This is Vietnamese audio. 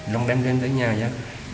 lòng đem lên tới nhà ra